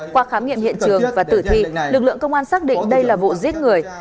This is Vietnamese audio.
qua khám nghiệm hiện trường và tử thi lực lượng công an xác định đây là vụ giết người